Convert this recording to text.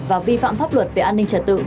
và vi phạm pháp luật về an ninh trật tự